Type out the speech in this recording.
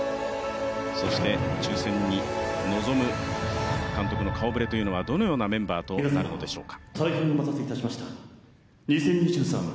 そして、抽選に臨む監督の顔ぶれというのはどのようなメンバーとなるのでしょうか。